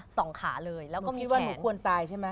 ส่องขาเลยแล้วก็มีแขน